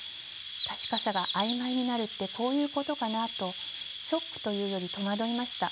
確かさが曖昧になるってこういうことかな」とショックというより戸惑いました。